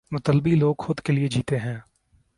مطلبی لوگ خود کے لئے جیتے ہیں۔